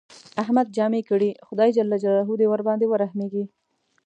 احمد جامې کړې، خدای ج دې ورباندې ورحمېږي.